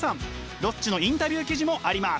ロッチのインタビュー記事もあります。